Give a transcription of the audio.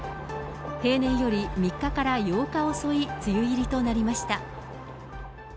平年より３日から８日遅い梅雨入りとなりました。